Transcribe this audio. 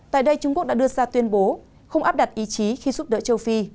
tại đây trung quốc đã đưa ra tuyên bố không áp đặt ý chí khi giúp đỡ châu phi